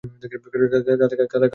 কাল থেকে সরলাকে দেখছি নে কেন।